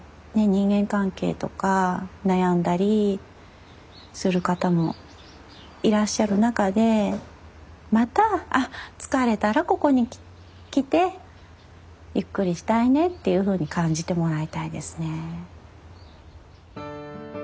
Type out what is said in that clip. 人間関係とか悩んだりする方もいらっしゃる中でまた「あ疲れたらここに来てゆっくりしたいね」っていうふうに感じてもらいたいですね。